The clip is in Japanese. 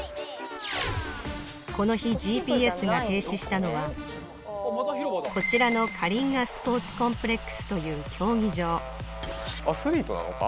この日ＧＰＳが停止したのはこちらのカリンガ・スポーツ・コンプレックスという競技場アスリートなのか？